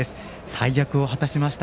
大役を果たしました。